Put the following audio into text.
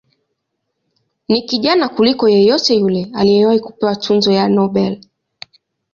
Ni kijana kuliko yeyote yule aliyewahi kupewa tuzo ya Nobel.